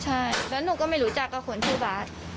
ใช่แล้วหนูก็ไม่รู้จักกับคนชื่อบาส